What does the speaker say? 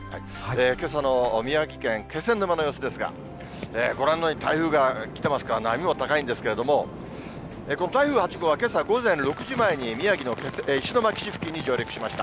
けさの宮城県気仙沼の様子ですが、ご覧のように、台風が来てますから、波も高いんですけれども、台風８号はけさ午前６時前に、宮城の石巻市付近に上陸しました。